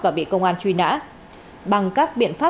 và bị công an truy nã